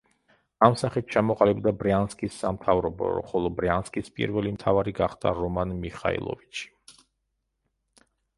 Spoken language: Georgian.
ამ სახით ჩამოყალიბდა ბრიანსკის სამთავრო, ხოლო ბრიანსკის პირველი მთავარი გახდა რომან მიხაილოვიჩი.